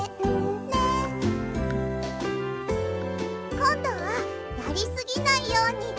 こんどはやりすぎないようにおせわするね。